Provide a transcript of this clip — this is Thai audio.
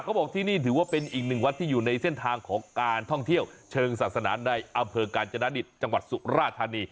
เขาบอกที่นี่ถือว่าเป็นอีกหนึ่งวัดที่อยู่ในเส้นทางของการท่องเที่ยวเชิงศาสนาในอำเภอกาญจนดิตจังหวัดสุราธานี